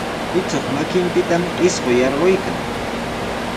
Ichuq makinpitami isquy yarquykan.